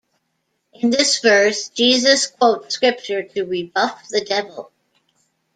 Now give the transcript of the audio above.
In this verse Jesus quotes scripture to rebuff the devil.